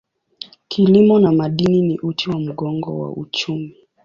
Kilimo na madini ni uti wa mgongo wa uchumi.